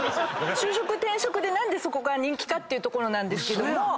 就職転職で何でそこが人気かってところなんですけども。